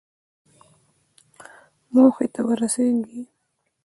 موخې ته ورسېږئ